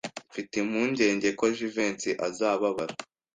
Mfite impungenge ko Jivency azababara.